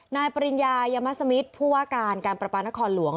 นายปริญญายามะสมิศผู้ว่าการการปรปานะคะรหลวง